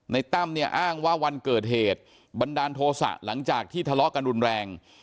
ตั้มเนี่ยอ้างว่าวันเกิดเหตุบันดาลโทษะหลังจากที่ทะเลาะกันรุนแรง